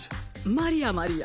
マリアマリア